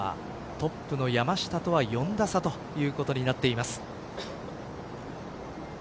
トップの山下とは４打差ということになっています。